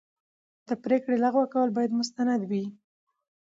د پرېکړې لغوه کول باید مستند وي.